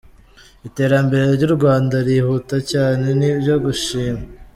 Iterambere ry’u Rwanda ririhuta cyane, ni ibyo gushimwa.